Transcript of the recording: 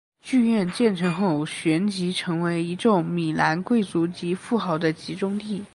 剧院建成后旋即成为一众米兰贵族及富豪的集中地。